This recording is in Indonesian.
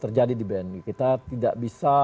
terjadi di bni kita tidak bisa